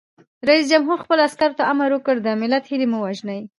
رئیس جمهور خپلو عسکرو ته امر وکړ؛ د ملت هیلې مه وژنئ!